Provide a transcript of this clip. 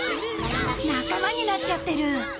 仲間になっちゃってる。